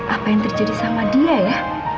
apa yang terjadi sama dia ya